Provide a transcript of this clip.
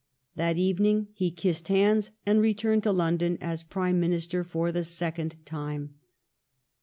That evening he kissed hands, and returned to London as Prime Minister for the second time.